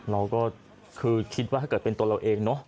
เราก็คือคิดว่าถ้าเกิดเป็นตัวเราเองเนอะ